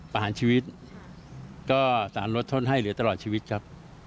ประหารชีวิตก็สารลดโทษให้เหลือตลอดชีวิตครับ